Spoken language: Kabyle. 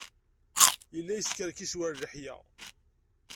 Yella yeskerkis war leḥya.